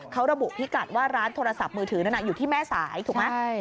เขาระบุพิกัดว่าร้านโทรศัพท์มือถือนั้นอยู่ที่แม่สายถูกไหม